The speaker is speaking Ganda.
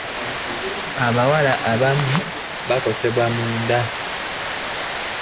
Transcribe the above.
abawala abamu bakosebwa munda.